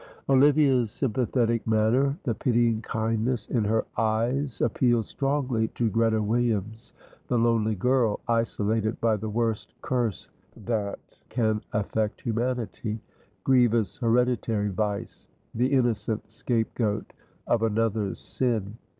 Olivia's sympathetic manner, the pitying kindness in her eyes, appealed strongly to Greta Williams, the lonely girl isolated by the worst curse that can affect humanity grievous hereditary vice the innocent scape goat of another's sin.